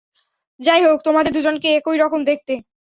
যাই হোক, তোমাদের দুজনকে একই রকম দেখতে।